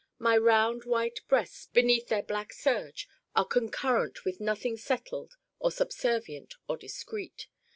My round white breasts beneath their black serge are concurrent with nothing settled or subservient or discreet.